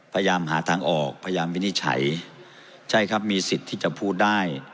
พยายามหาทางออกพยายามวินิจฉัยใช่ครับมีสิทธิ์ที่จะพูดได้